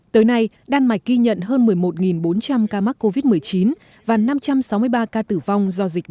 tới nay đan mạch ghi nhận hơn một mươi một bốn trăm linh ca mắc covid một mươi chín và năm trăm sáu mươi ba ca tử vong